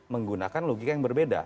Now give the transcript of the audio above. menggunakan logika yang berbeda